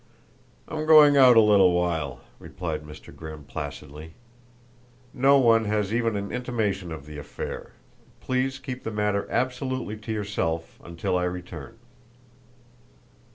"I'm going out a little while," replied Mr. Grimm placidly. "No one has even an intimation of the affair please keep the matter absolutely to yourself until I return."